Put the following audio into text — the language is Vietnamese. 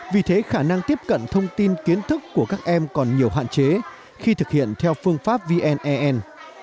vì thế khả năng tiếp cận thông tin kiến thức của các em còn nhiều hạn chế khi thực hiện theo phương pháp vne